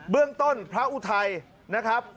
เรื่องต้นพระอุทัยนะครับ